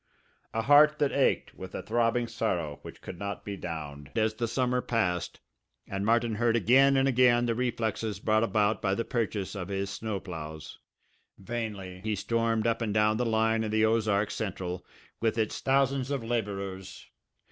A heart that ached with a throbbing sorrow which could not be downed as the summer passed and Martin heard again and again the reflexes brought about by the purchase of his snow ploughs. Vainly he stormed up and down the line of the Ozark Central with its thousands of labourers.